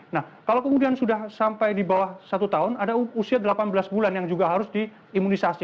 nah kalau kemudian sudah sampai di bawah satu tahun ada usia delapan belas bulan yang juga harus diimunisasi